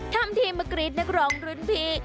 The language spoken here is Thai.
ทำที่มากรีดนักร้องลื้อนพี